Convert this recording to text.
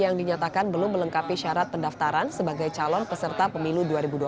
yang dinyatakan belum melengkapi syarat pendaftaran sebagai calon peserta pemilu dua ribu dua puluh